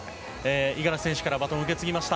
五十嵐選手からバトンを受け継ぎました。